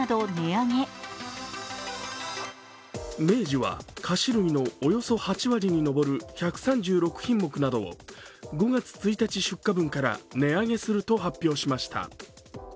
明治は菓子類のおよそ８割にのぼる１３６品目などを５月１日出荷分から値上げすると発表しました。